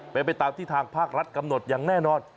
เป็นไปตามที่ทางภาครัฐกำหนดอย่างแน่นอน